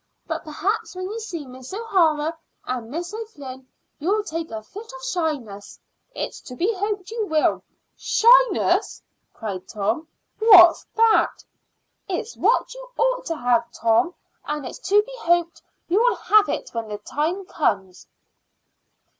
But perhaps when you see Miss O'Hara and Miss O'Flynn you'll take a fit of shyness. It's to be hoped you will." "Shyness!" cried Tom. "What's that?" "It's what you ought to have, Tom, and it's to be hoped you will have it when the time comes."